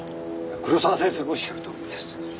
黒沢先生のおっしゃるとおりです。